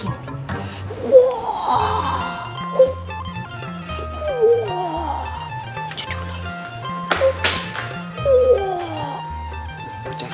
latihan terbakar doang